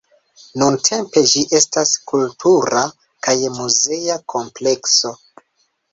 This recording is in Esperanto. Nuntempe ĝi estas kultura kaj muzea komplekso.